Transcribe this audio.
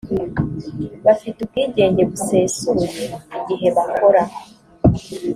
bafite ubwigenge busesuye igihe bakora